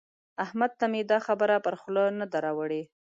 احمد ته مې دا خبره پر خوله نه ده راوړي.